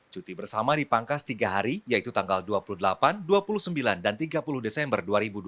cuti bersama dipangkas tiga hari yaitu tanggal dua puluh delapan dua puluh sembilan dan tiga puluh desember dua ribu dua puluh